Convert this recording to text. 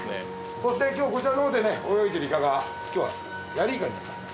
そして今日こちらの方でね泳いでるイカが今日はヤリイカになりますね。